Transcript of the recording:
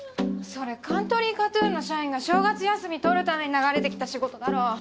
それカントリーカトゥーンの社員が正月休みとるために流れてきた仕事だろ。